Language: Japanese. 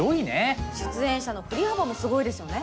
出演者の振り幅もすごいですよね。